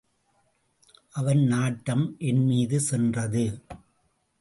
அவன் நாட்டம் என் மீது சென்றது.